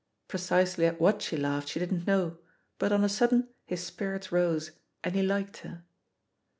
Precisely at what she laughed she didn't know, hut on a sud den his spirits rose, and he liked her.